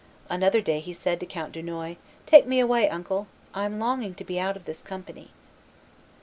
Another day he said to Count Dunois, "Do take me away, uncle: I'm longing to be out of this company."